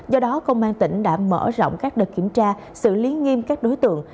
do đó công an tỉnh đã mở rộng các đợt kiểm tra xử lý nghiêm các đối tượng